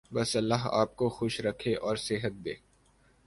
بس اللہ آپ کو خوش رکھے اور صحت دے۔